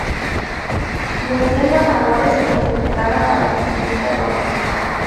Los tres ganadores se clasificaron para la siguiente ronda.